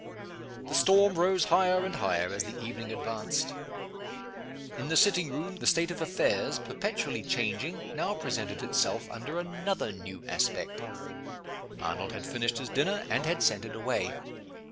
The storm rose higher and higher as the evening advanced. In the sitting room, the state of affairs, perpetually changing, now presented itself under another new aspect. Arnold had finished his dinner, and had sent it away.